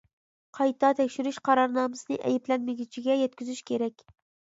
قايتا تەكشۈرۈش قارارنامىسىنى ئەيىبلەنمىگۈچىگە يەتكۈزۈش كېرەك.